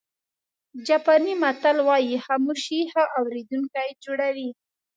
جاپاني متل وایي خاموشي ښه اورېدونکی جوړوي.